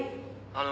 あの。